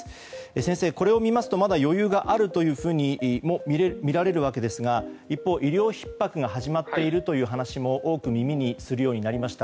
先生、これを見ますとまだ余裕があるというふうにも見られるわけですが一方、医療ひっ迫が始まっているという話も多く耳にするようになりました。